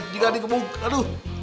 jika dikebuk aduh